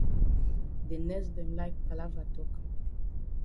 De nurse dem like palava tok dem.